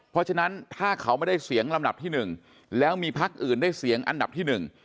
เพราะฉะนั้นถ้าเขาไม่ได้เสียงลำดับที่หนึ่งแล้วมีพักอื่นได้เสียงอันดับที่หนึ่ง